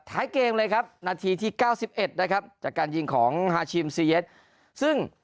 ท้ายเกมเลยครับนาทีที่เก้าสิบเอ็ดนะครับจากการยิงของซึ่ง